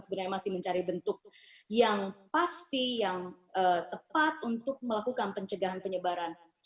sebenarnya masih mencari bentuk yang pasti yang tepat untuk melakukan pencegahan penyebaran